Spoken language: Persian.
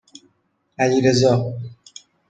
علیرضا